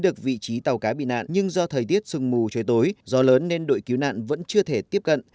được vị trí tàu cá bị nạn nhưng do thời tiết sương mù trời tối gió lớn nên đội cứu nạn vẫn chưa thể tiếp cận